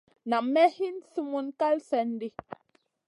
Nam may hin summun kal slèn di.